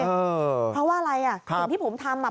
เออเพราะว่าอะไรอ่ะครับถึงที่ผมทำอ่ะ